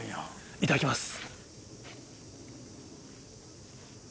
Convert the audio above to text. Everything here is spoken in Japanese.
いただきます。